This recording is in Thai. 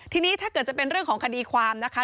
ทีนี้ถ้าเกิดจะเป็นเรื่องของคดีความนะคะ